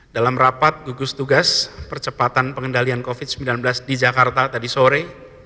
dalam rapat gugus tugas percepatan pengendalian covid sembilan belas di jakarta tadi sore